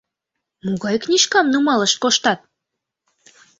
Могай книжкам нумалышт коштат?